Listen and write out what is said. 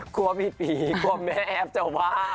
กลัวผีกลัวแม่แอฟจะว่า